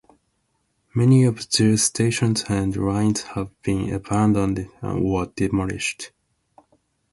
Many of these stations and lines have been abandoned or demolished.